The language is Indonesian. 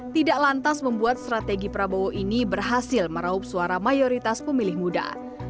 tidak lantas membuat strategi prabowo ini berhasil meraup suara mayoritas pemilih muda